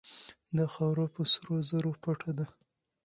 دا خاوره په سرو زرو پټه ده.